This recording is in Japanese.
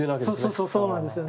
そうそうそうそうなんですよね。